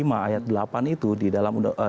ayat delapan itu di dalam undang undang